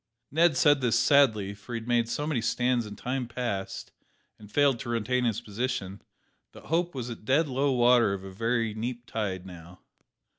Ned said this sadly, for he had made so many stands in time past, and failed to retain his position, that hope was at dead low water of a very neap tide now.